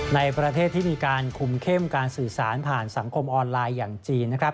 ในประเทศที่มีการคุมเข้มการสื่อสารผ่านสังคมออนไลน์อย่างจีนนะครับ